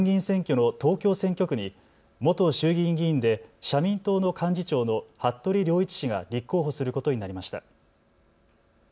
ことし夏の参議院選挙の東京選挙区に元衆議院議員で社民党の幹事長の服部良一氏が立候補することになりました。